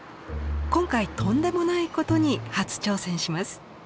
今回とんでもないことに初挑戦します。